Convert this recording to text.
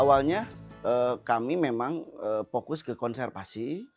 awalnya kami memang fokus ke konservasi